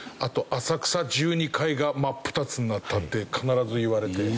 浅草十二階が真っ二つになったって必ず言われて。